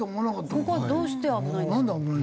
ここはどうして危ないんですか？